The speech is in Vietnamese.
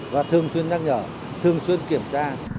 và thường xuyên nhắc nhở thường xuyên kiểm tra